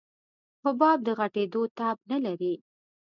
حباب د غټېدو تاب نه لري.